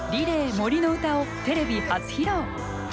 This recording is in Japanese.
杜の詩をテレビ初披露。